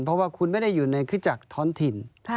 เพราะว่าคุณไม่ได้อยู่ในคริจักรท้อนถิ่น